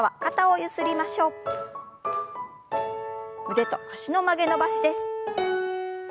腕と脚の曲げ伸ばしです。